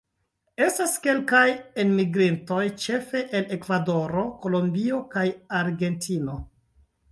Estas kelkaj enmigrintoj, ĉefe el Ekvadoro, Kolombio kaj Argentino.